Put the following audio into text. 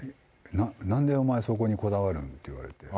なんでお前、そこにこだわるん？って言われて。